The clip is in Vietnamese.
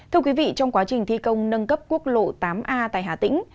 thưa quý vị trong quá trình thi công nâng cấp quốc lộ tám a tại hà tĩnh